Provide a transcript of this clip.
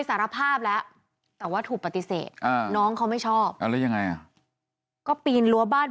สารภาพแล้วแต่ว่าถูกปฏิเสธน้องเขาไม่ชอบแล้วยังไงอ่ะก็ปีนรั้วบ้าน